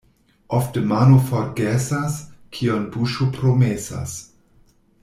Ofte mano forgesas, kion buŝo promesas.